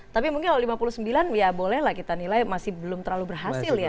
tapi mungkin kalau lima puluh sembilan ya bolehlah kita nilai masih belum terlalu berhasil ya